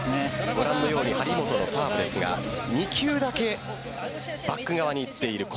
ご覧のように張本のサーブですが２球だけバック側にいっている。